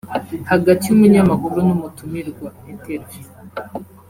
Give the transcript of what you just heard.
hagati y’Umunyamakuru n’umutumirwa (Interview)